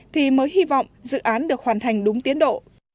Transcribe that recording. thì mới hy vọng dự án được hoàn thành đúng tiến độ